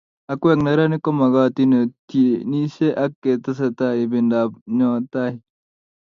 Akwek neranik komagatin otinisie ak ketesetai ibindap nyo tai